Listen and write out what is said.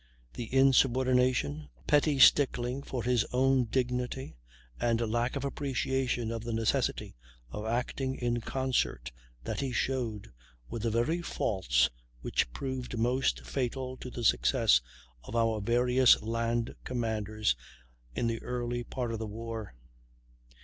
The insubordination, petty stickling for his own dignity, and lack of appreciation of the necessity of acting in concert that he showed, were the very faults which proved most fatal to the success of our various land commanders in the early part of the war.